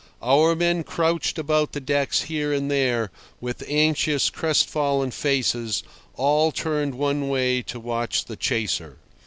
Our men crouched about the decks here and there with anxious, crestfallen faces, all turned one way to watch the chaser.